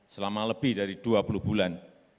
selama lebih dari dua puluh bulan